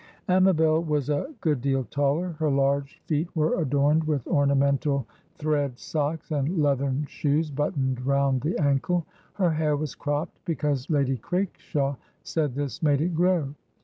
Amabel was a good deal taller. Her large feet were adorned with ornamental thread socks, and leathern shoes buttoned round the ankle. Her hair was cropped, because Lady Craikshaw said this made it grow.